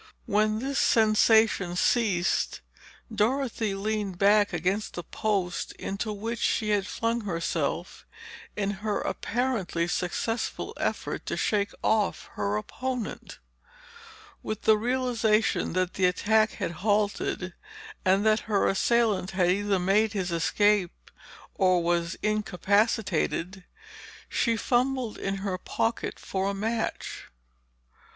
When this sensation ceased, Dorothy leaned back against the post into which she had flung herself in her apparently successful effort to shake off her opponent. With the realization that the attack had halted and that her assailant had either made his escape or was incapacitated, she fumbled in her pocket for a match.